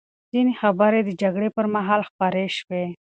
ځینې خبرې د جګړې پر مهال خپرې شوې.